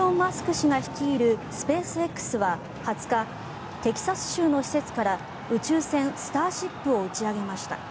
氏が率いるスペースＸは２０日テキサス州の施設から宇宙船スターシップを打ち上げました。